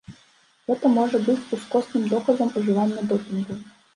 Гэта можа быць ускосным доказам ужывання допінгу.